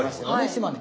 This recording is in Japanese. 島根。